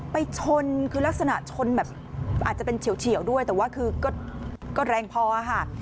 ไปชนคือลักษณะชนแบบอาจจะเป็นเฉียวด้วยแต่ว่าคือก็แรงพอค่ะ